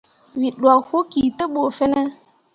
Wǝ ɗwak wo ki te ɓu fine ?